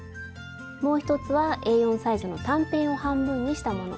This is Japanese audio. もう一つはＡ４サイズの短辺を半分にしたもの。